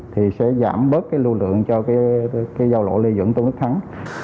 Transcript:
thì sẽ giảm bớt cái lưu lượng cho cái giao lộ lê dẫn tôn đức thắng